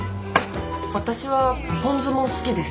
私はポン酢も好きです。